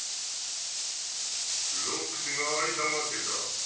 ロックスが会いたがってた。